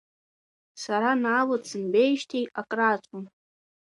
Сара Наала дсымбеижьҭеи акрааҵуан.